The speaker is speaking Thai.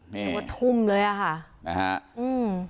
นึกถึงเลยอะค่ะนะคะอืม